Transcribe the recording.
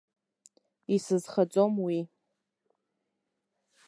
Исызхаҵом уи.